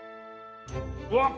うわっ！